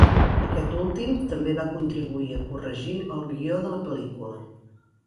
Aquest últim també va contribuir a corregir el guió de la pel·lícula.